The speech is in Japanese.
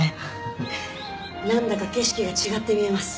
なんだか景色が違って見えます。